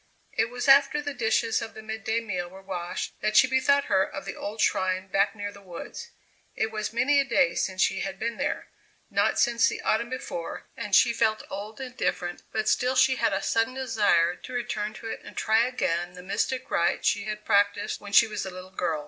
It was after the dishes of the midday meal were washed that she bethought her of the old shrine back near the woods. It was many a day since she had been there not since the autumn before and she felt old and different, but still she had a sudden desire to return to it and try again the mystic rite she had practised when she was a little girl.